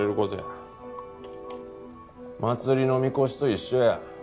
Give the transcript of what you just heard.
祭りのみこしと一緒や。